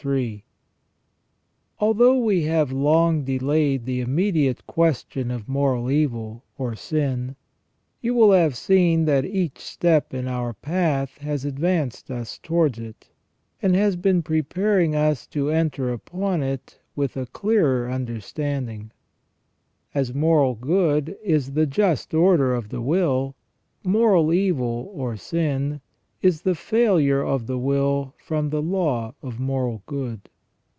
* Although we have long delayed the immediate question of moral evil, or sin, you will have seen that each step in our path has advanced us towards it, and has been preparing us to enter upon it with a clearer understanding. As moral good is the just order of the will, moral evil, or sin, is the failure of the will from the law of moral good.